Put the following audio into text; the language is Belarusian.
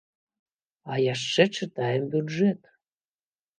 А яшчэ чытаем бюджэт!